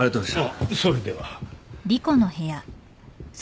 ああそれでは。